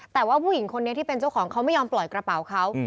แต่ว่าผู้หญิงคนนี้ที่เป็นเจ้าของเขาไม่ยอมปล่อยกระเป๋าเขา